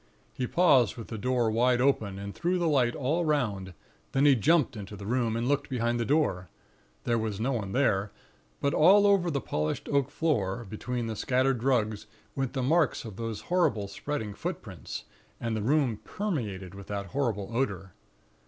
He paused with the door wide open, and threw the light all 'round; then he jumped into the room, and looked behind the door; there was no one there; but all over the polished oak floor, between the scattered rugs, went the marks of those horrible spreading footprints; and the room permeated with the horrible odor.